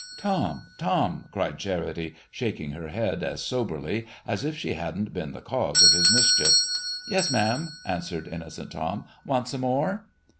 "Tom, Tom!" cried Charity, shaking her head as soberly as if she hadn't been the cause of his mischief. "Yes, ma'am," answered innocent Tom. "Want some more?"